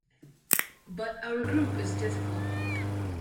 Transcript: But our group is difficult.